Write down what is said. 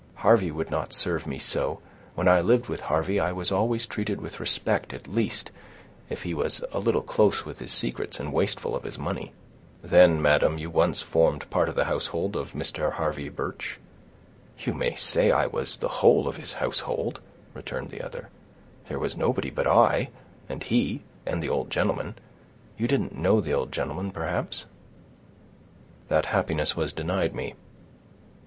Harvey would not serve me so; when I lived with Harvey, I was always treated with respect at least, if he was a little close with his secrets, and wasteful of his money." "Then, madam, you once formed part of the household of Mr. Harvey Birch?" "You may say I was the whole of his household," returned the other; "there was nobody but I, and he, and the old gentleman. You didn't know the old gentleman, perhaps?" "That happiness was denied me.